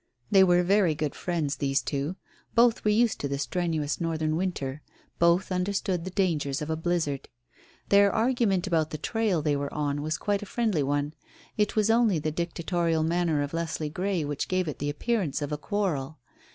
They were very good friends these two. Both were used to the strenuous northern winter. Both understood the dangers of a blizzard. Their argument about the trail they were on was quite a friendly one. It was only the dictatorial manner of Leslie Grey which gave it the appearance of a quarrel.